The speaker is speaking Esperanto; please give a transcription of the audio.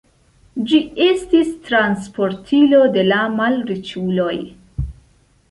Ĝi estis transportilo de la malriĉuloj.